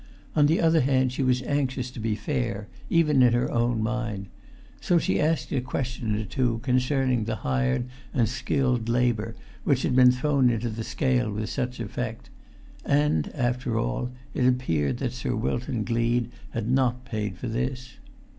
On the other hand, she was anxious to be fair, even in her own mind; so she asked a question or two concerning the hired and skilled labour which had been thrown into the scale with such effect; and, after all, it appeared that Sir Wilton Gleed had not paid for this.